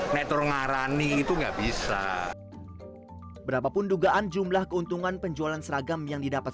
netur ngarani itu nggak bisa berapapun dugaan jumlah keuntungan penjualan seragam yang didapat